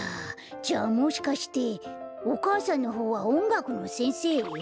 じゃあもしかしておかあさんのほうはおんがくのせんせい？